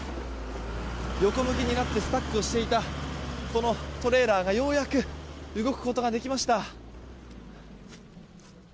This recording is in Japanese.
横向きになってスタックしていたトレーラーがようやく動くことができました。